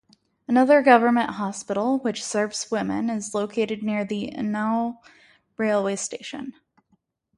Another government hospital, which serves women, is located near the Unnao railway station.